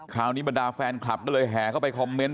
คราวนี้บัณฑาแฟนคลับก็เลยแห้เข้าไปคอมเมนต์